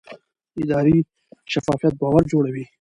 اداري شفافیت باور جوړوي